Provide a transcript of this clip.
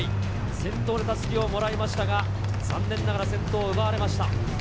先頭でたすきをもらいましたが、残念ながら、先頭を奪われました。